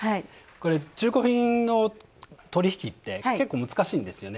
中古品の取引って、結構、難しいんですよね。